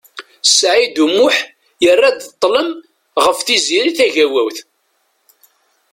Saɛid U Muḥ yerra-d ṭlem ɣef Tiziri Tagawawt.